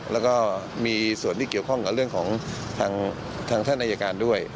แล้วก็มีส่วนที่เกี่ยวข้องกับเรื่องของทางท่านอายการด้วย